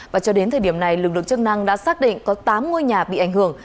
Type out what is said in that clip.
và cho đến thời điểm này lực lượng chức năng đã xác định có tám ngôi nhà bị ảnh hưởng